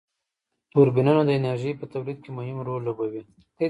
توربینونه د انرژی په تولید کی مهم رول لوبوي.